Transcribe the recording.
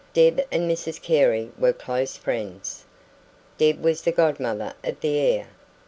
Deb and Mrs Carey were close friends. Deb was the godmother of the heir.